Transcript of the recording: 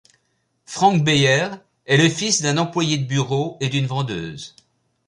Frank Beyer est le fils d'un employé de bureau et d'une vendeuse.